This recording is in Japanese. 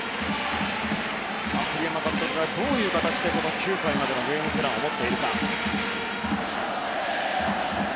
栗山監督がどういう形で９回までのゲームプランを持っているか。